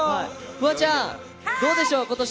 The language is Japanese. フワちゃん、どうでしょう？